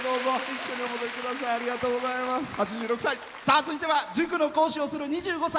続いては塾の講師をする２５歳。